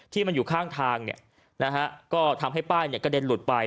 ที่มันอยู่ข้างทางก็ทำให้ป้ายกระเด็นหลุดไป